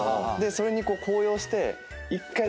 でそれに高揚して。